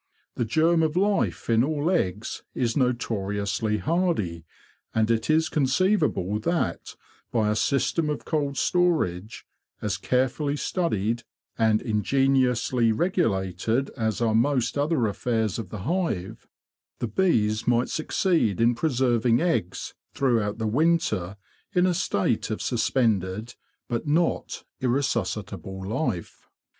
The germ of life in all eggs is notoriously hardy; and it is conceivable that by a system of cold storage, as carefully studied and ingeniously regulated as are most other affairs of the hive, the bees might succeed in preserving eggs throughout the winter in a state of suspended, but not irresuscitable life.